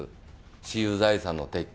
私有財産の撤去。